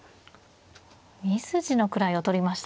２筋の位を取りましたね